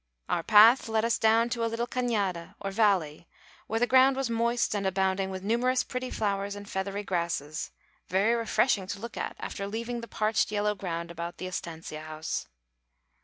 Our path led us down to a little cañada, or valley, where the ground was moist and abounding with numerous pretty flowers and feathery grasses, very refreshing to look at after leaving the parched yellow ground about the estancia house.